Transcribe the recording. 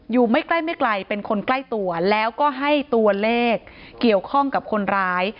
ไม่ใกล้ไม่ไกลเป็นคนใกล้ตัวแล้วก็ให้ตัวเลขเกี่ยวข้องกับคนร้าย